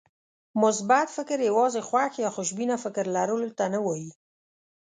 مثبت فکر يوازې خوښ يا خوشبينه فکر لرلو ته نه وایي.